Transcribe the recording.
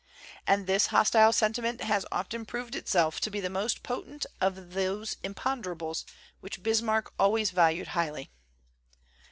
And this hostile senti ment has often proved itself to be the most potent of those "imponderables" which Bis marck always valued highly.